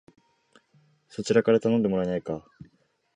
そちらから頼んでもらえないか